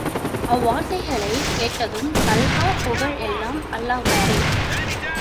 அவ்வார்த்தைகளைக் கேட்டதும் தல்ஹா, புகழ் எல்லாம் அல்லாஹ்வுக்கே.